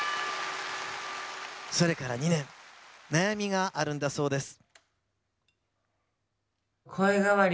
それから２年悩みがあるんだそうです。